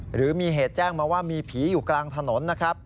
หรือมีเหตุแจ้งมาว่ามีผีอยู่กลางถนนนะครับ